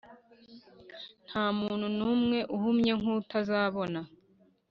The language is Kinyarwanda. ntamuntu numwe uhumye nkutazabona